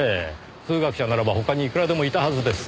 数学者ならば他にいくらでもいたはずです。